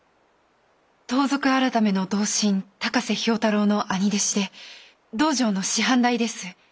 盗賊改の同心高瀬俵太郎の兄弟子で道場の師範代です。